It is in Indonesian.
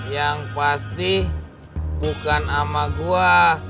yang pasti bukan sama gue